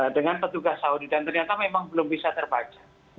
dengan petugas saudi dan ternyata memang belum bisa terbaca